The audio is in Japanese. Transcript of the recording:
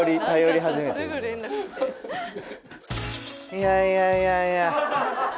いやいやいやいや。